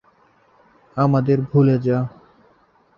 আমাদের ভুলে যা।